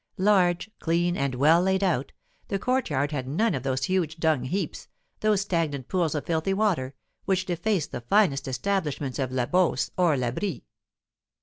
Large, clean, and well laid out, the court yard had none of those huge dung heaps, those stagnant pools of filthy water, which deface the finest establishments of La Beauce or La Brie.